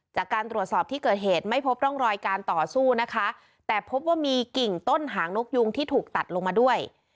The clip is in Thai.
จากการตรวจสอบที่เกิดเหตุไม่พบร่องรอยการต่อสู้นะคะแต่พบว่ามีกิ่งต้นหางนกยุงที่ถูกตัดลงมาด้วย